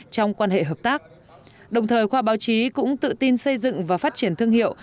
trong quan hệ hợp tác đồng thời khoa báo chí cũng tự tin xây dựng và phát triển thương hiệu